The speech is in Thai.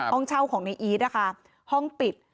ห้องเช่าของในอีทนะคะห้องปิด